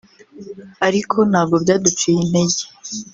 ariko ntabwo byaduciye intege